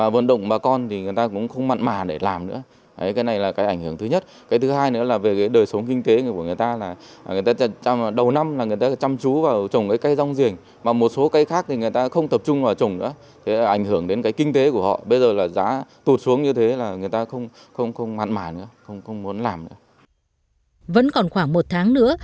vẫn còn khoảng một tháng nữa